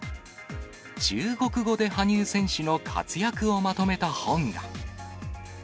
中国語で羽生選手の活躍をまとめた本が。